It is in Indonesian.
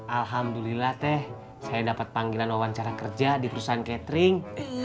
alhamdulillah teh saya dapat panggilan wawancara kerja di perusahaan catering